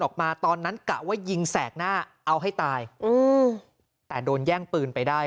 ตอนนั้นกะว่ายิงแสกหน้าเอาให้ตายอืมแต่โดนแย่งปืนไปได้